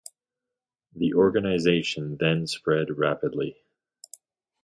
The organization then spread rapidly.